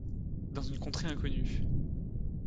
Dans une contrée inconnue.